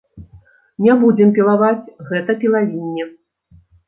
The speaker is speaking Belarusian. Не будзем пілаваць гэта пілавінне.